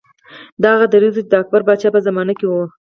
دا هغه دریځ و چې د اکبر پاچا په زمانه کې و.